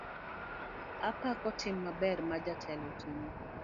Apako tim maber ma jatelo otimo.